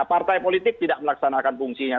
partai politik tidak melaksanakan fungsinya